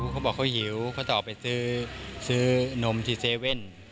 เขาบอกเขาหิวเขาจะออกไปซื้อนมที่๗๑๑